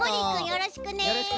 よろしくね。